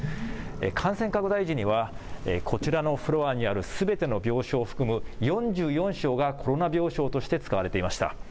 感染拡大時にはこちらのフロアにあるすべての病床を含む４４床がコロナ病床として使われていました。